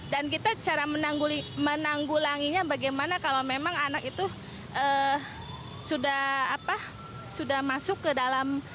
dan kita cara menanggulanginya bagaimana kalau memang anak itu sudah masuk ke dalam